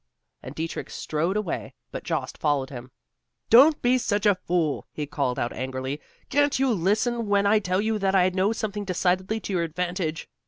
And Dietrich strode away; but Jost followed him. "Don't be such a fool," he called out angrily, "can't you listen when I tell you that I know something decidedly to your advantage.